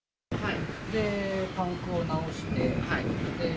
パンクを直して。